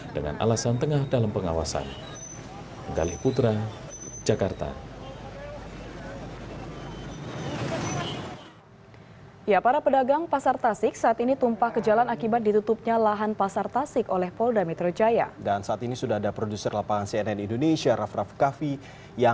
dengan alasan tengah dalam pengawasan